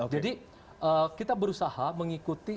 jadi kita berusaha mengikuti